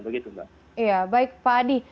begitu mbak ya baik pak adi